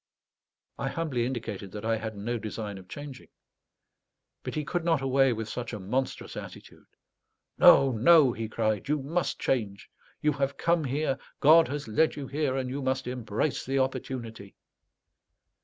I humbly indicated that I had no design of changing. But he could not away with such a monstrous attitude. "No, no," he cried; "you must change. You have come here, God has led you here, and you must embrace the opportunity."